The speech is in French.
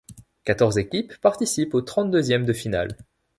Quatorze équipes participent aux trente-deuxièmes de finale.